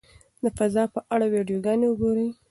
د فضا په اړه ویډیوګانې وګورئ.